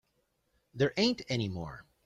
There ain't any more.